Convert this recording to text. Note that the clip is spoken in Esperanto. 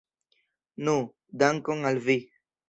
Nu, dankon al vi!